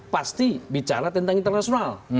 pasti bicara tentang internasional